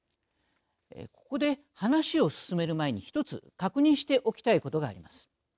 ここで、話を進める前に１つ確認しておきたいことがあります。